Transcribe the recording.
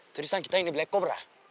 terusan kita ini black cobra